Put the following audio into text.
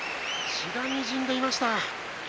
血がにじんでいました。